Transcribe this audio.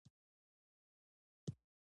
ژوندون ساعت کې کوچنۍ ستن ده